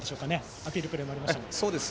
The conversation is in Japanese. アピールプレーもありましたが。